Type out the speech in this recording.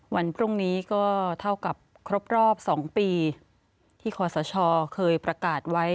วันพรุ่งนี้ก็เท่ากับครบรอบ๒ปีที่คอสชเคยประกาศไว้